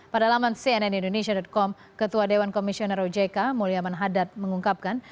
pada laman cnnindonesia com ketua dewan komisioner ojk mulyaman hadad mengungkapkan